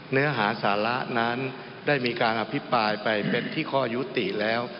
เนื้อหาสาระนั้นได้มีการอภิปรายไปเป็นที่ข้อยุติแล้ว